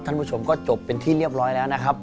คุณผู้ชมก็จบเป็นที่เรียบร้อยแล้วนะครับ